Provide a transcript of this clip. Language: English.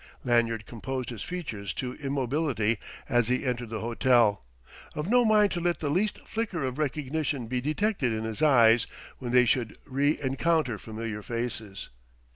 Lanyard composed his features to immobility as he entered the hotel, of no mind to let the least flicker of recognition be detected in his eyes when they should re encounter familiar faces.